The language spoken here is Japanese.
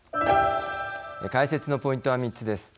解説のポイントは３つです。